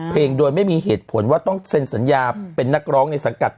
เพลงโดยไม่มีเหตุผลว่าต้องเซ็นสัญญาเป็นนักร้องในสังกัด